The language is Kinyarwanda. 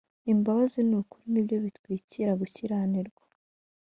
Imbabazi n‟ukuri nibyo bitwikira gukiranirwa